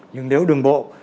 nhưng nếu đường bộ